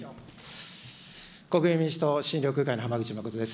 国民民主党・新緑風会の浜口誠です。